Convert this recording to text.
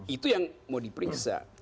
itu yang mau diperiksa